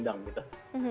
di dalam bidang gitu